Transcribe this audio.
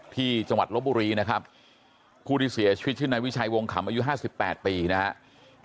ที่จังหวัดลบบุรีนะครับผู้ที่เสียชีวิตชื่นนายวิชัยวงคำอายุห้าสิบแปดปีนะฮะ